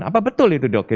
apa betul itu dok